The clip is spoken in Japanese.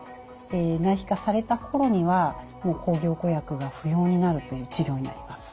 内皮化された頃にはもう抗凝固薬が不要になるという治療になります。